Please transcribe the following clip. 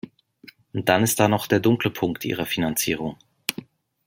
Und dann ist da noch der dunkle Punkt ihrer Finanzierung.